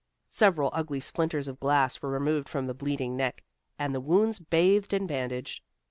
Several ugly splinters of glass were removed from the bleeding neck, and the wounds bathed and bandaged.